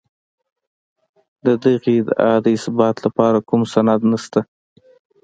د دې ادعا د اثبات لپاره کوم سند نشته.